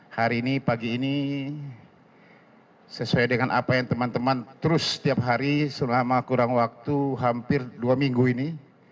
hari ini pagi ini sesuai dengan apa yang teman teman terus setiap hari selama kurang waktu hampir dua minggu ini